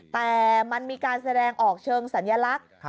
แต่มันมีการแสดงออกเชิงสัญลักษณ์